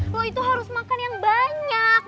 loh itu harus makan yang banyak